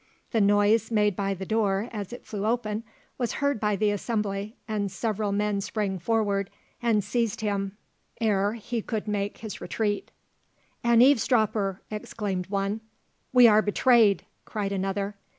The noise made by the door as it flew open was heard by the assembly, and several men sprang forward and seized him ere he could make his retreat. "An eavesdropper!" exclaimed one. "We are betrayed!" cried another.